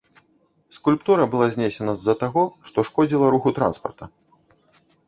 Скульптура была знесена з-за таго, што шкодзіла руху транспарта.